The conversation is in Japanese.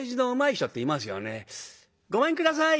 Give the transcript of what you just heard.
「ごめんください。